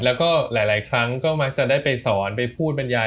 แล้วก็หลายครั้งก็มักจะได้ไปสอนไปพูดบรรยาย